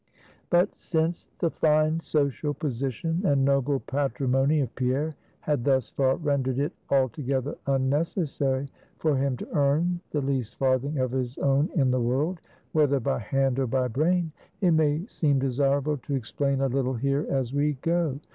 But since the fine social position and noble patrimony of Pierre, had thus far rendered it altogether unnecessary for him to earn the least farthing of his own in the world, whether by hand or by brain; it may seem desirable to explain a little here as we go.